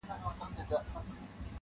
• زه به ژوندی یم بهار به راسي -